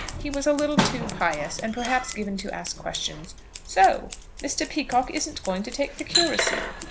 He was a little too pious, and perhaps given to ask questions. "So Mr. Peacocke isn't going to take the curacy?"